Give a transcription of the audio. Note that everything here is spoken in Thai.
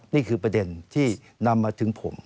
นี่คือประเด็นที่นำมาถึงผม